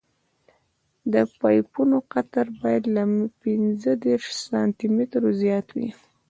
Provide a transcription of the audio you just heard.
د پایپونو قطر باید له پینځه دېرش سانتي مترو زیات وي